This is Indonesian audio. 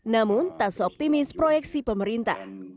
namun tak seoptimis proyeksi pemerintah